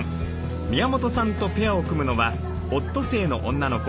宮本さんとペアを組むのはオットセイの女の子